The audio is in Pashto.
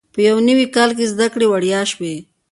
په یو نوي کال کې زده کړې وړیا شوې.